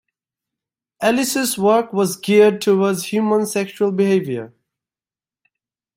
Ellis's work was geared towards human sexual behavior.